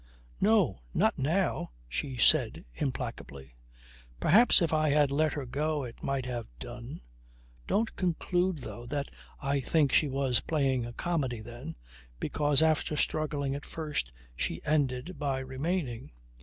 "No, not now," she said implacably. "Perhaps if I had let her go it might have done ... Don't conclude, though, that I think she was playing a comedy then, because after struggling at first she ended by remaining.